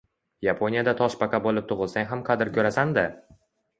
Yaponiyada toshbaqa bo‘lib tug‘ilsang ham qadr ko‘rasan-da